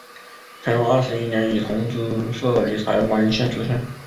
乾隆二十一年以同知摄理台湾县知县。